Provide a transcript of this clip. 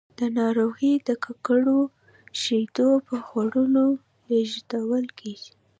دا ناروغي د ککړو شیدو په خوړلو لیږدول کېږي.